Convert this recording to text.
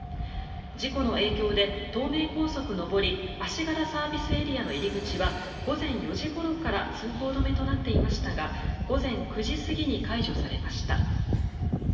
事故の影響で東名高速上り足柄ＳＡの入り口は午前４時ごろから通行止めとなっていましたが午前９時過ぎに解除されました。